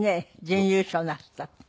準優勝なすったって。